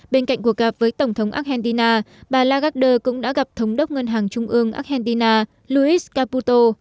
bên cạnh cuộc gặp với tổng thống argentina bà lagarder cũng đã gặp thống đốc ngân hàng trung ương argentina louis caputo